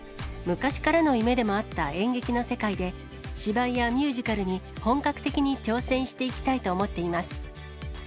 昔からの夢でもあった演劇の世界で、芝居やミュージカルに本格的に挑戦していきたいと思っています。